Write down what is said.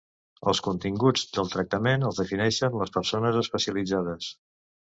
Els continguts del tractament els defineixen les persones especialitzades.